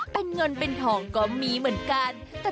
เป็นเงินเป็นทองก็มีเหมือนกัน